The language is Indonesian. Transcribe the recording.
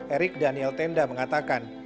erik daniel tenda mengatakan